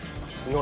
何？